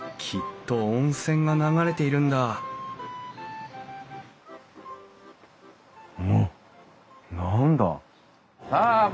きっと温泉が流れているんだあっ？